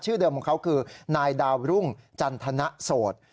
เดิมของเขาคือนายดาวรุ่งจันทนโสด